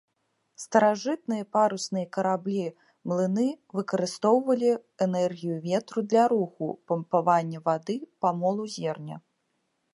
Старажытныя парусныя караблі, млыны, выкарыстоўвалі энергію ветру для руху, пампавання вады, памолу зерня.